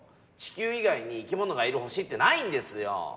地球以外に生き物がいる星ってないんですよ。